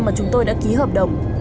mà chúng tôi đã ký hợp đồng